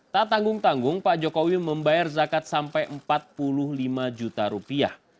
tak tanggung tanggung pak jokowi membayar zakat sampai empat puluh lima juta rupiah